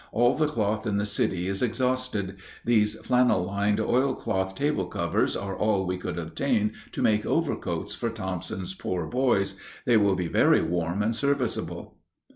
All the cloth in the city is exhausted; these flannel lined oil cloth table covers are all we could obtain to make overcoats for Thompson's poor boys. They will be very warm and serviceable."